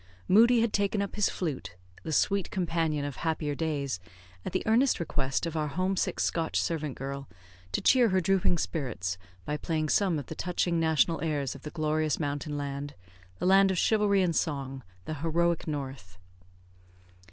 Moodie had taken up his flute, the sweet companion of happier days, at the earnest request of our homesick Scotch servant girl, to cheer her drooping spirits by playing some of the touching national airs of the glorious mountain land, the land of chivalry and song, the heroic North.